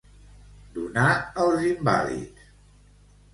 Donar els invàlids.